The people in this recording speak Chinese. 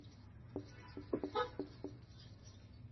根特源于利斯河和斯海尔德河汇合的凯尔特定居点。